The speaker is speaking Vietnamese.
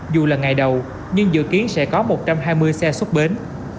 dù là ngày đầu nhưng dự kiến sẽ có một trăm hai mươi xe xuất bến